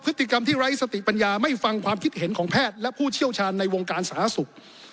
พฤติกรรมที่ไร้สติปัญญาไม่ฟังความคิดเห็นของแพทย์และผู้เชี่ยวชาญในวงการสาธารณสุข